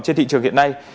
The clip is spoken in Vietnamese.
trên thị trường hiện nay